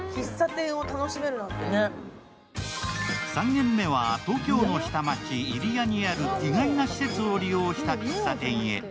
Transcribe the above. ３軒目は東京の下町・入谷にある意外な施設を利用した喫茶店へ。